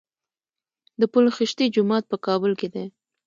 د پل خشتي جومات په کابل کې دی